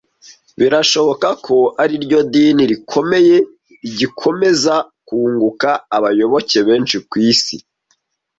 Birashoboka ko ari ryo dini rikomeye rigikomeza kunguka abayoboke benshi ku isi,